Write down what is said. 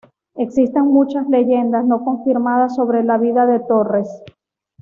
Existen muchas leyendas no confirmadas sobre la vida de Torres.